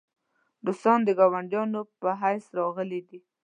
روسان د ګاونډیانو په حیث راغلي دي.